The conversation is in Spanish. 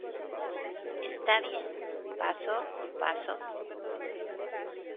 Está bien, paso , paso.